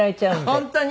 本当に？